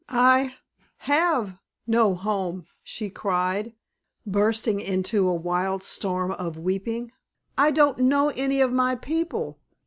"I have no home," she cried, bursting into a wild storm of weeping; "I don't know any of my people.